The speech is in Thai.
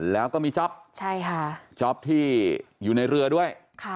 แล้วก็มีจ๊อปใช่ค่ะจ๊อปที่อยู่ในเรือด้วย